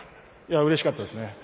うれしかったですね。